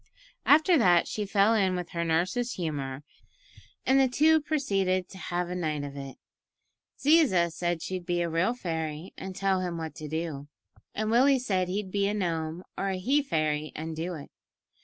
After that she fell in with her nurse's humour, and the two proceeded to "have a night of it." Ziza said she'd be a real fairy and tell him what to do, and Willie said he'd be a gnome or a he fairy and do it.